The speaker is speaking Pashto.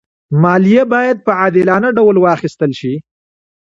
مالیه باید په عادلانه ډول واخېستل شي.